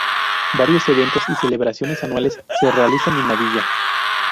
Varios eventos y celebraciones anuales se realizan en la villa.